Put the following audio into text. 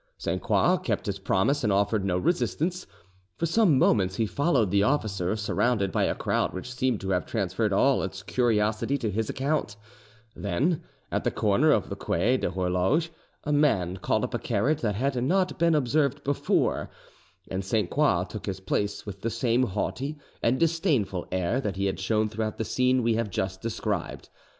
Sainte Croix kept his promise and offered no resistance; for some moments he followed the officer, surrounded by a crowd which seemed to have transferred all its curiosity to his account; then, at the corner of the Quai de d'Horloge, a man called up a carriage that had not been observed before, and Sainte Croix took his place with the same haughty and disdainful air that he had shown throughout the scene we have just described.